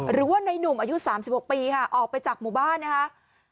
หรือว่านายหนุ่มอายุสามสิบหกปีค่ะออกไปจากหมู่บ้านนะคะ